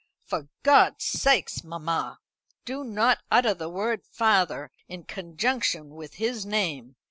"For God's sake, mamma, do not utter the word 'father' in conjunction with his name.